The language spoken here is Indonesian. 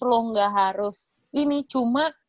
lu gak harus ini cuma